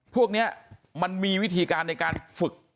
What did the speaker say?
พวกนี้มันมีวิธีการในการฝึก